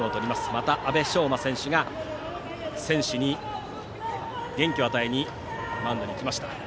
また、阿部匠真選手が選手に元気を与えにマウンドに行きました。